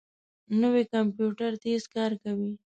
نوی کمپیوټر تېز کار کوي